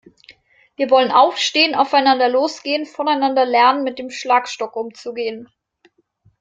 Wir wollen aufstehen, aufeinander losgehen, voneinander lernen, mit dem Schlagstock umzugehen.